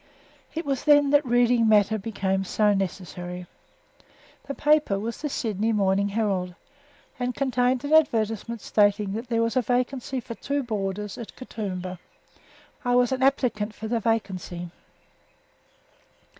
It was then that reading matter became so necessary. The paper was the Sydney Morning Herald and contained an advertisement stating that there was a vacancy for two boarders at Katoomba; I was an applicant for the vacancy.